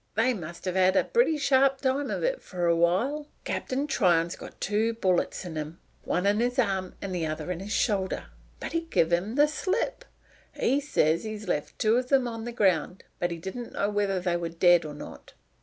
They must have had a pretty sharp time of it for a little while. "Cap'n Tryon's got two bullets in him one in his arm and the other in his shoulder, but he give 'em the slip. He says he left two of 'em on the ground, but he didn't know whether they were dead or not.